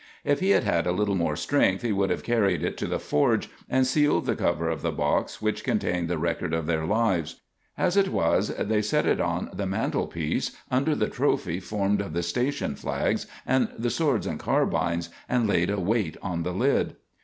If he had had a little more strength he would have carried it to the forge, and sealed the cover of the box which contained the record of their lives. As it was, they set it on the mantelpiece under the trophy formed of the station flags and the swords and carbines, and laid a weight on the lid.